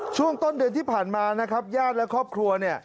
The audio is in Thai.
ช่วงต้นเดือนที่ผ่านมานะครับญาติและครอบครัวเนี่ย